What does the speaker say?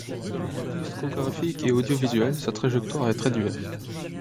Dans le monde discographique et audiovisuel, sa trajectoire est très diverse.